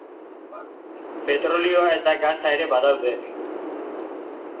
Petrolioa eta gasa ere badaude.